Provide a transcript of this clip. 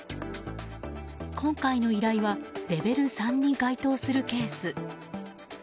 今回の依頼はレベル３に該当するケース。